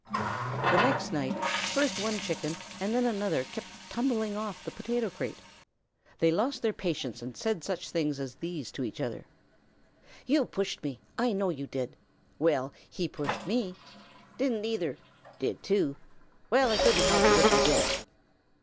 The next night first one Chicken and then another kept tumbling off the potato crate. They lost their patience and said such things as these to each other: "You pushed me! You know you did!" "Well, he pushed me!" "Didn't either!" "Did too!" "Well, I couldn't help it if I did!"